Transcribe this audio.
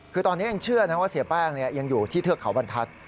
คือตอนนี้ยังเชื่อนะว่าเสียแป้งยังอยู่ที่เทือกเขาบรรทัศน์